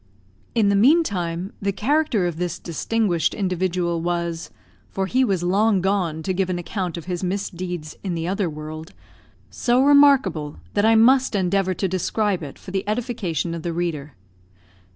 In the meantime, the character of this distinguished individual was for he was long gone to give an account of his misdeeds in the other world so remarkable, that I must endeavour to describe it for the edification of the reader.